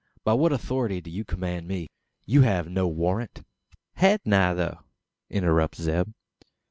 "By what authority do you command me? You have no warrant?" "Hain't I, though?" interrupts Zeb.